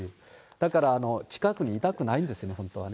だから近くにいたくないんですよ